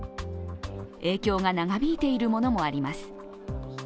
影響が長引いているものもあります。